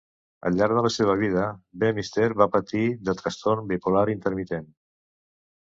Al llarg de la seva vida, Bemister va patir de trastorn bipolar intermitent.